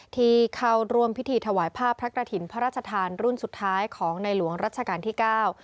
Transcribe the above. ที่เข้าร่วมพิธีถวายภาพพระกระถิ่นพระราชทานรุ่นสุดท้ายของในหลวงรัชกาลที่เก้า